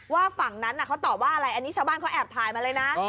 ฝั่งนั้นเขาตอบว่าอะไรอันนี้ชาวบ้านเขาแอบถ่ายมาเลยนะ